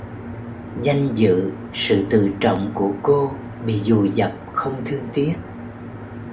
Danh dự sự tự trọng của cô bị vùi dập không thương tiếc